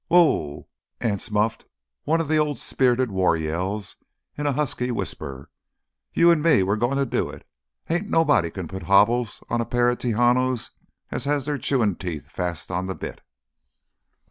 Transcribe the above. "Whoee!" Anse muffled one of the old spirited war yells into a husky whisper. "You an' me, we're goin' to do it! Ain't nobody can put hobbles on a pair of Tejanos as has their chewin' teeth fast on th' bit!"